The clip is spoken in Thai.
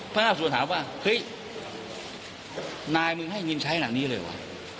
ภาพส่วนถามว่าเฮ้ยนายมึงให้เงินใช้หลังนี้เลยวะ